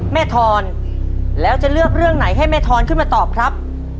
ทอนแล้วจะเลือกเรื่องไหนให้แม่ทอนขึ้นมาตอบครับ